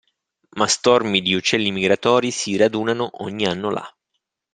Ma stormi di uccelli migratori si radunano ogni anno là.